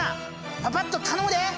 パパッと頼むで！